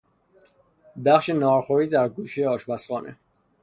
بخش نهارخوری در گوشهی آشپزخانه